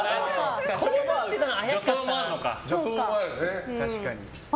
助走もあるのか。